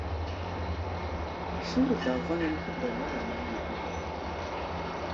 Siŋgu zlavaŋ anəhi daw malamaŋ yo ɗi.